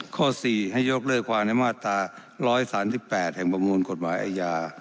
ข้อ๔ให้ยกเลิกความในมาตรา๑๓๘แห่งประมวลกฎหมายอาญา